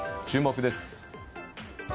注目です。